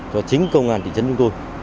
cho chính công an thị trấn chúng tôi